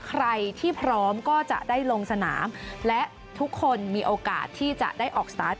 ใครที่พร้อมก็จะได้ลงสนามและทุกคนมีโอกาสที่จะได้ออกสตาร์ท